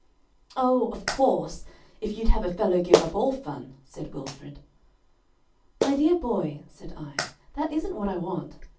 "Oh, of course; if you'd have a fellow give up all fun," said Wilfred. "My dear boy," said I, "that isn't what I want.